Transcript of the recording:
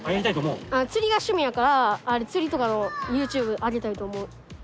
釣りが趣味やから釣りとかのＹｏｕＴｕｂｅ上げたいと思う。